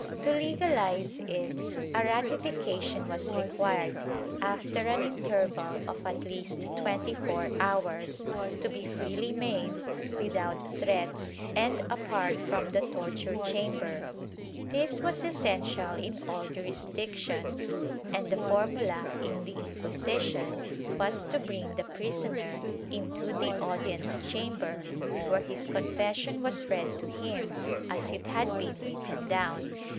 To legalize it, a ratification was required, after an interval of at least twenty four hours, to be freely made, without threats and apart from the torture chamber. This was essential in all jurisdictions, and the formula in the Inquisition was to bring the prisoner into the audience chamber, where his confession was read to him as it had been written down.